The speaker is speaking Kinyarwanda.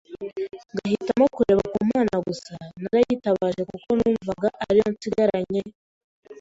ngahitamo kureba ku Mana gusa, narayitabaje kuko numvaga ari yo yonyine nsigaranye